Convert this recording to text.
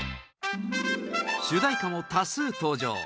主題歌も多数登場